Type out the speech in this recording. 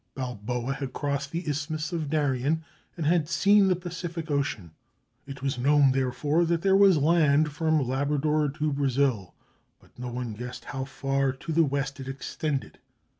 Balboa had crossed the Isthmus of Darien and had seen the Pacific Ocean. It was known, therefore, that there was land from Labrador to Brazil, but no one guessed how far to the west it extended.